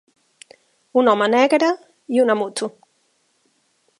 Un home negre i una moto.